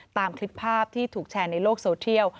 ตามคลิปภาพที่ถูกแชร์ในโลกโซเทียล